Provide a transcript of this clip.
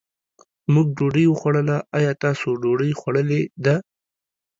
مونږ ډوډۍ وخوړله، ايا تاسو ډوډۍ خوړلې ده؟